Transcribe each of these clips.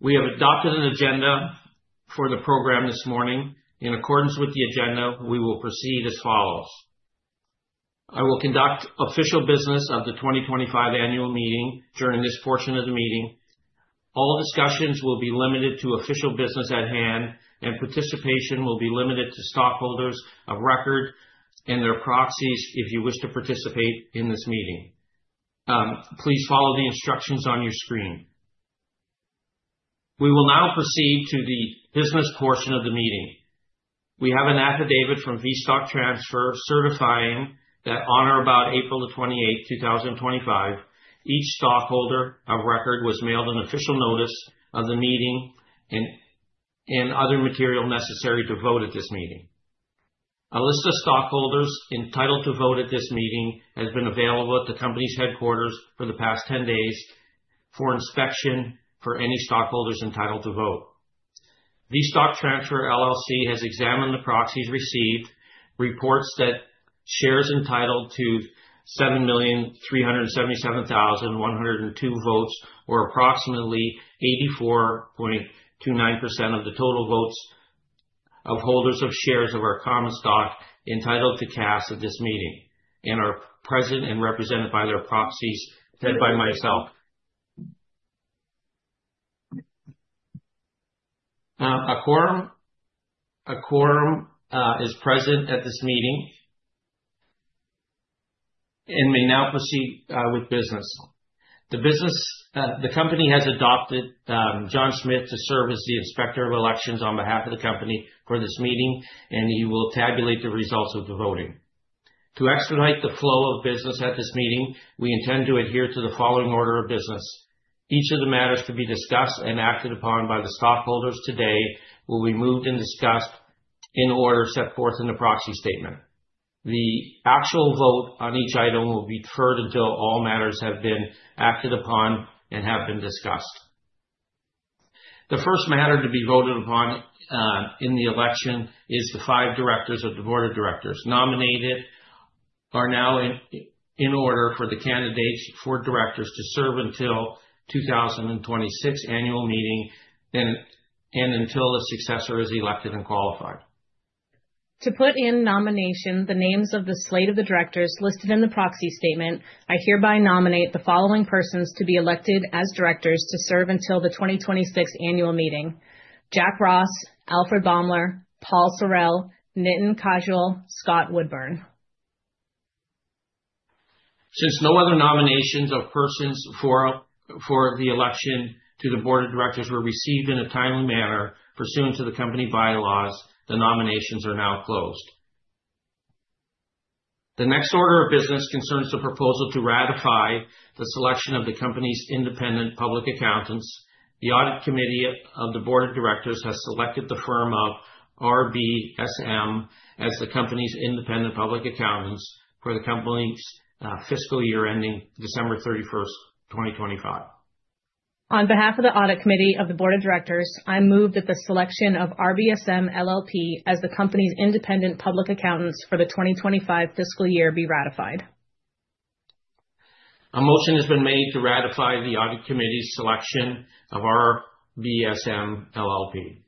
We have adopted an agenda for the program this morning. In accordance with the agenda, we will proceed as follows. I will conduct official business of the 2025 annual meeting during this portion of the meeting. All discussions will be limited to official business at hand, and participation will be limited to stockholders of record and their proxies if you wish to participate in this meeting. Please follow the instructions on your screen. We will now proceed to the business portion of the meeting. We have an affidavit from VStock Transfer certifying that on or about April 28, 2025, each stockholder of record was mailed an official notice of the meeting and other material necessary to vote at this meeting. A list of stockholders entitled to vote at this meeting has been available at the company's headquarters for the past 10 days for inspection for any stockholders entitled to vote. VStock Transfer, LLC has examined the proxies received, reports that shares entitled to 7,377,102 votes were approximately 84.29% of the total votes of holders of shares of our common stock entitled to vote at this meeting and are present and represented by their proxies filed by myself. A quorum is present at this meeting and may now proceed with business. The company has appointed John Smith to serve as the inspector of elections on behalf of the company for this meeting, and he will tabulate the results of the voting. To expedite the flow of business at this meeting, we intend to adhere to the following order of business. Each of the matters to be discussed and acted upon by the stockholders today will be moved and discussed in order set forth in the proxy statement. The actual vote on each item will be deferred until all matters have been acted upon and have been discussed. The first matter to be voted upon in the election is the five directors of the board of directors. Nominations are now in order for the candidates for directors to serve until the 2026 annual meeting and until a successor is elected and qualified. To put in nomination, the names of the slate of the directors listed in the proxy statement, I hereby nominate the following persons to be elected as directors to serve until the 2026 annual meeting: Jack Ross, Alfred Baumbusch, Paul Sorrell, Nitin Kaushal, Scott Woodburn. Since no other nominations of persons for the election to the board of directors were received in a timely manner pursuant to the company bylaws, the nominations are now closed. The next order of business concerns the proposal to ratify the selection of the company's independent public accountants. The audit committee of the board of directors has selected the firm of RBSM as the company's independent public accountants for the company's fiscal year ending December 31, 2025. On behalf of the audit committee of the board of directors, I move that the selection of RBSM LLP as the company's independent public accountants for the 2025 fiscal year be ratified. A motion has been made to ratify the audit committee's selection of RBSM LLP.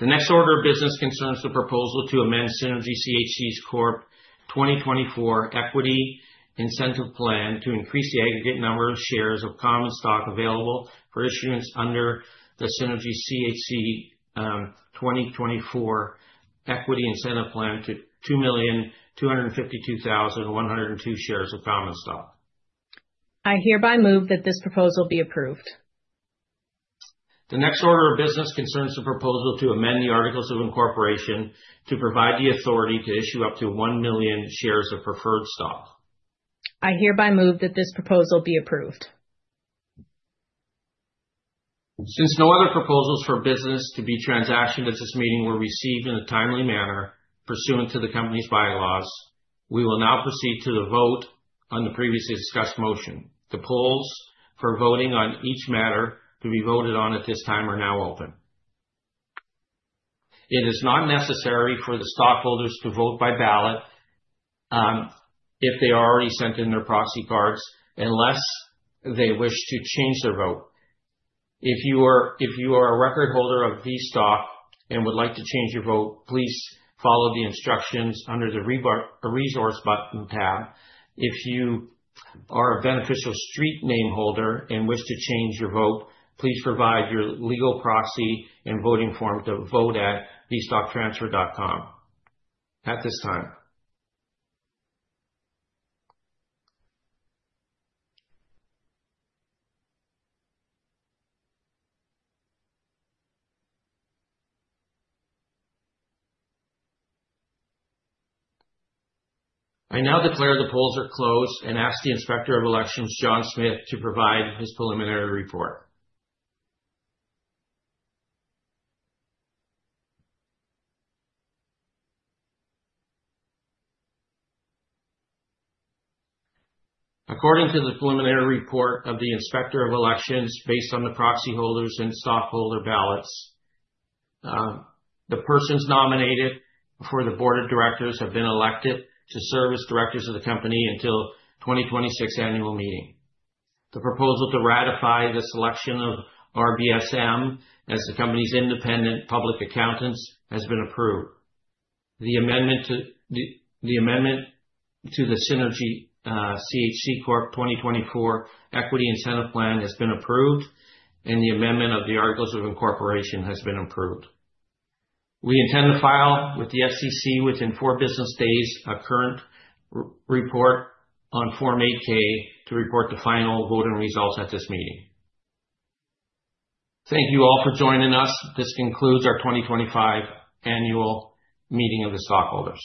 The next order of business concerns the proposal to amend Synergy CHC Corp.'s 2024 Equity Incentive Plan to increase the aggregate number of shares of common stock available for issuance under the Synergy CHC Corp. 2024 Equity Incentive Plan to 2,252,102 shares of common stock. I hereby move that this proposal be approved. The next order of business concerns the proposal to amend the Articles of Incorporation to provide the authority to issue up to one million shares of Preferred Stock. I hereby move that this proposal be approved. Since no other proposals for business to be transacted at this meeting were received in a timely manner pursuant to the company's bylaws, we will now proceed to the vote on the previously discussed motion. The polls for voting on each matter to be voted on at this time are now open. It is not necessary for the stockholders to vote by ballot if they are already sent in their proxy cards unless they wish to change their vote. If you are a record holder of VStock and would like to change your vote, please follow the instructions under the Resource button tab. If you are a beneficial street name holder and wish to change your vote, please provide your legal proxy and voting form to vote@vstocktransfer.com. At this time, I now declare the polls are closed and ask the inspector of elections, John Smith, to provide his preliminary report. According to the preliminary report of the inspector of elections based on the proxy holders and stockholder ballots, the persons nominated for the board of directors have been elected to serve as directors of the company until the 2026 annual meeting. The proposal to ratify the selection of RBSM as the company's independent public accountants has been approved. The amendment to the Synergy CHC Corp 2024 Equity Incentive Plan has been approved, and the amendment of the articles of incorporation has been approved. We intend to file with the SEC within four business days a current report on Form 8-K to report the final voting results at this meeting. Thank you all for joining us. This concludes our 2025 annual meeting of the stockholders.